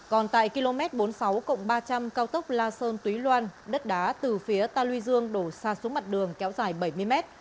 còn tại km bốn mươi sáu ba trăm linh cao tốc la sơn túy loan đất đá từ phía ta luy dương đổ xa xuống mặt đường kéo dài bảy mươi mét